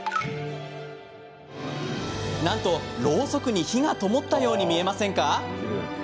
なんとろうそくに火がともったように見えませんか？